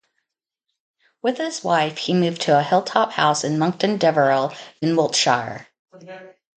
With his wife he moved to a hilltop house in Monkton Deverill in Wiltshire.